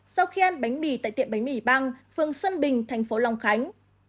sau khi ăn bánh mì tại tiệm bánh mì băng phường xuân bình thành phố long khánh